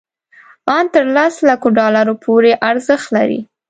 ان تر لس لکو ډالرو پورې ارزښت لري.